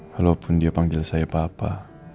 walaupun dia panggil saya papa